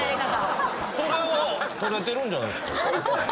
それは取れてるんじゃないですか？